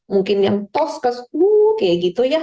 mungkin yang tos keseluruh kayak gitu ya